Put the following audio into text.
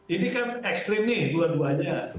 ini kan ekstrim nih dua duanya